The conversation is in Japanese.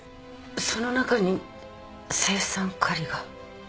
その中に青酸カリが？